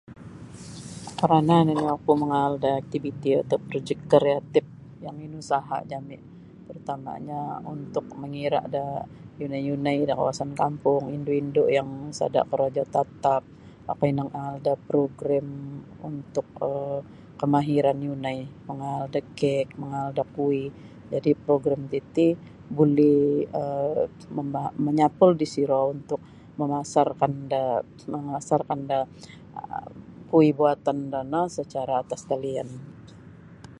Parana nini oku mangaal da aktiviti ataupun projek kreatif yang inusahaa jami pertamanyo untuk mangira da yunai-yunai da kawasan kampung indu-indu yang sada korojo tatap okoi nangaal da program untuk um kemahiran yunai mangaalda kek mangaal da kui' jadi program titi buli um mam-manyapul di siro mamasarkan da mamasarkan da um kui' buatan da no secara atas talian.